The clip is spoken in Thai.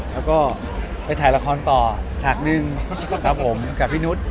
แล้วก็ไปถ่ายละครต่อฉากหนึ่งครับผมกับพี่นุษย์